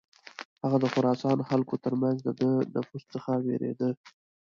هغه د خراسان خلکو تر منځ د ده نفوذ څخه ویرېده.